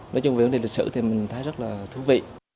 nói chung về lịch sử thì mình thấy rất là thú vị